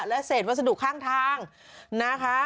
และเศษวัสดุข้างทางนะคะ